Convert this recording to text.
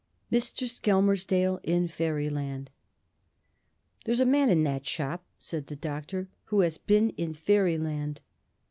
MR. SKELMERSDALE IN FAIRYLAND "There's a man in that shop," said the Doctor, "who has been in Fairyland."